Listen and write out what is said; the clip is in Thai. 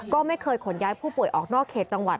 ก็ไม่เคยขนย้ายผู้ป่วยออกนอกเขตจังหวัด